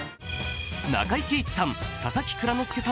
中井貴一さん、佐々木蔵之介さん